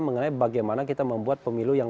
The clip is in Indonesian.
mengenai bagaimana kita membuat pemilu yang